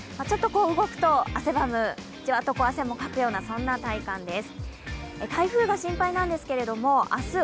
動くと汗ばむ、じわっと汗もかくようなそんな体感です。